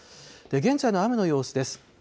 現在の雨の様子です。